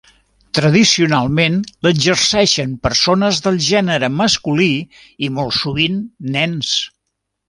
Tradicionalment l'exerceixen persones del gènere masculí i molt sovint nens.